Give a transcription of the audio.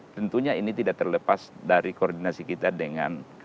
tentunya ini tidak terlepas dari koordinasi kita dengan